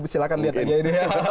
silahkan lihat aja ini